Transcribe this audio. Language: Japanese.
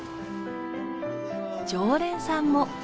常連さんも。